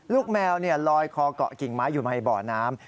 แมวลอยคอเกาะกิ่งไม้อยู่ในบ่อน้ำ